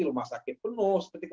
rumah sakit penuh seperti